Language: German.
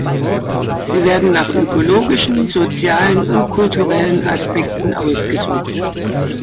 Sie werden nach ökologischen, sozialen und kulturellen Aspekten ausgesucht.